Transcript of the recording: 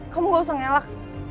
kamu gak usah ngelak